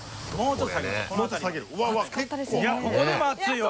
いやここでも熱いわ。